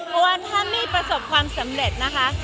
เพราะว่าถ้าไม่ประสบความสำเร็จนะคะ